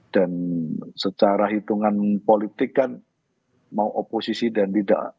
dan secara hitungan politik kan mau oposisi dan tidak